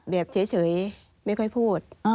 แบบเฉยไม่ค่อยพูด